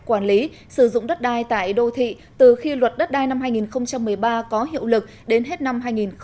quản lý sử dụng đất đai tại đô thị từ khi luật đất đai năm hai nghìn một mươi ba có hiệu lực đến hết năm hai nghìn một mươi tám